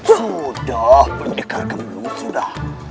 sudah pendekar kembar sudah